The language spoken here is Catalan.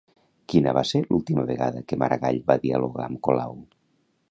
Quina va ser l'última vegada que Maragall va dialogar amb Colau?